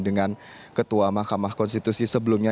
dengan ketua mahkamah konstitusi sebelumnya